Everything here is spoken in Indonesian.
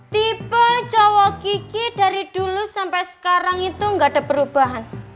tipe cowok kiki dari dulu sampe sekarang itu gak ada perubahan